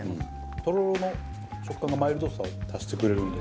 とろろの食感がマイルドさを足してくれるんで。